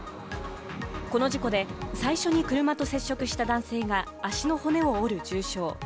この事故で、最初に車と接触した男性が足の骨を折る重傷。